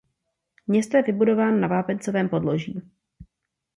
Město je vybudováno na vápencovém podloží.